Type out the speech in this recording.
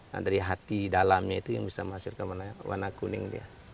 nah dari hati dalamnya itu yang bisa menghasilkan warna kuning dia